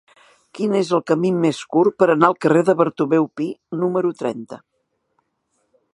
Quin és el camí més curt per anar al carrer de Bartomeu Pi número trenta?